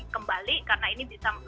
kembali karena ini bisa